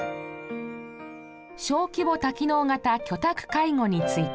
小規模多機能型居宅介護について。